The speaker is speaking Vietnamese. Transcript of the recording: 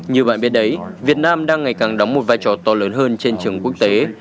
như bạn biết đấy việt nam đang ngày càng đóng một vai trò to lớn hơn trên trường quốc tế